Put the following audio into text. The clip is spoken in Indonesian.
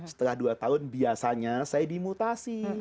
setelah dua tahun biasanya saya dimutasi